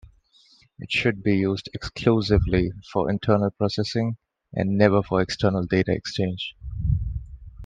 It should be used exclusively for internal processing and never for external data exchange.